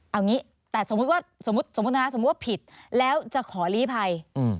เอางี้แต่สมมุติว่าผิดแล้วจะขอลีภัย